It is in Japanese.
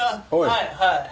はいはい？